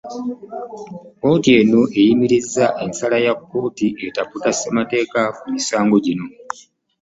Kkooti eno eyimirizza ensala ya kkooti etaputa ssemateeka ku misango gino.